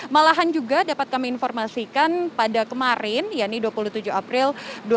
malahan juga dapat kami informasikan pada kemarin ya ini dua puluh tujuh april dua ribu dua puluh